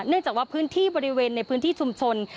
เนื่องจากว่าพื้นที่บริเวณในพื้นที่ชุมชน